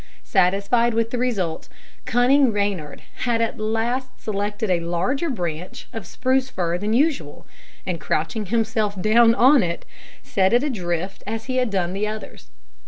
Satisfied with the result, cunning Reynard at last selected a larger branch of spruce fir than usual, and couching himself down on it, set it adrift as he had done the others.